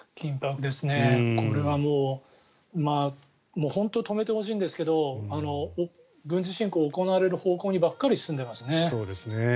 これはもう本当止めてほしいんですけど軍事侵攻が行われる方向にばかり進んでますね。